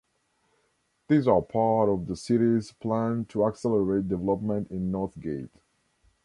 These are part of the city's plan to accelerate development in Northgate.